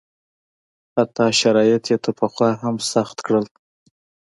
حتی شرایط یې تر پخوا هم سخت کړل.